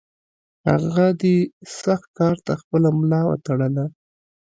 هغه دې سخت کار ته خپله ملا وتړله.